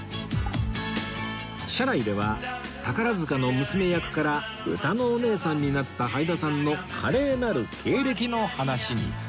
車内では宝塚の娘役からうたのおねえさんになったはいださんの華麗なる経歴の話に